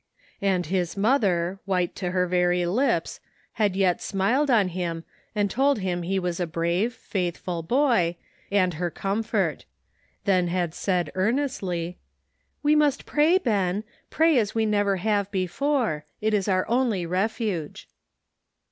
And his mother, white to her very lips, had yet smiled on him and told him he was a brave, faithful boy, and her com fort ; then had said earnestly : "We must pray, Ben ; pray as we never have before ; it is our only refuge."